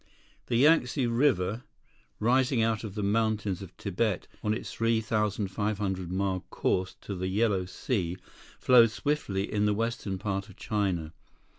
The Yangtze River, rising out of the mountains of Tibet on its 3,500 mile course to the Yellow Sea, flows swiftly in the western part of China.